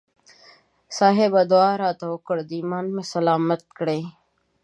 صاحبه دعا راته وکړه ایمان مې سلامت کړي.